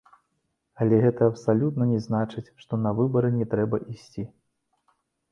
Але гэта абсалютна не значыць, што на выбары не трэба ісці.